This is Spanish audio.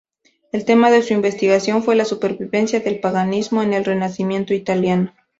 El tema de su investigación fue la supervivencia del paganismo en el Renacimiento italiano.